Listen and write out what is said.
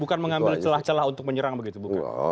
bukan mengambil celah celah untuk menyerang begitu bukan